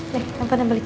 nih lompat dan balikin